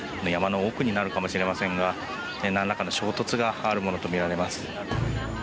山の奥になるかもしれませんがなんらかの衝突があるものとみられます。